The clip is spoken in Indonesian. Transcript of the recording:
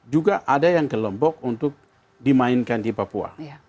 juga ada yang kelompok untuk dimainkan di papua